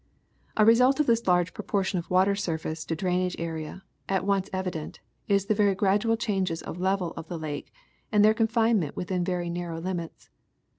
A result of this large proportion of water surface to drainage area, at once evident, is the very gradual changes of level of the lake and their confinement within very narrow limits.